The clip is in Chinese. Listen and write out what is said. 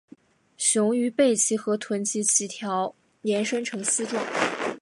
雄鱼背鳍和臀鳍鳍条延伸呈丝状。